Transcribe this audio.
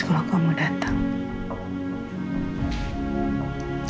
kalau kamu datang